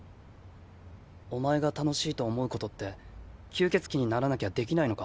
お前が楽しいと思うことって吸血鬼にならなきゃできないのか？